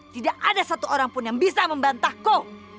tidak ada satu orang pun yang bisa membantahku